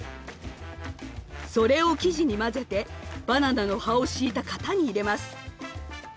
それを生地に混ぜてバナナの葉を敷いた型に入れます。